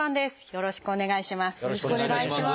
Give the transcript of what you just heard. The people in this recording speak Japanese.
よろしくお願いします。